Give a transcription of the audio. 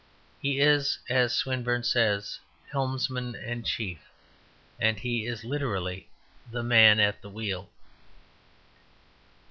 He is, as Swinburne says, helmsman and chief: he is literally the Man at the Wheel.